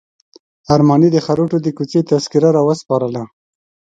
ارماني د خروټو د کوڅې تذکره راوسپارله.